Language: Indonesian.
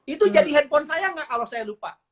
itu jadi handphone saya nggak kalau saya lupa